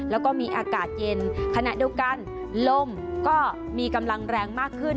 แล้วก็มีอากาศเย็นขณะเดียวกันลมก็มีกำลังแรงมากขึ้น